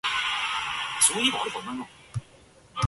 Jains are therefore lacto vegetarians, not ovo-lacto vegetarians.